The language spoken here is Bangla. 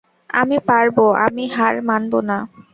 আমি পারব, আমি হার মানব না।